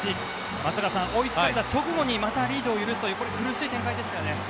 松坂さん、追いつかれた直後にまたリードを許すという苦しい展開でしたね。